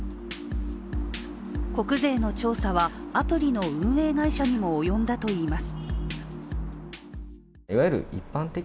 国税の調査は、アプリの運営会社にも及んだといいます。